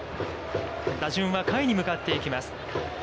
打順は下位に向かっていきます。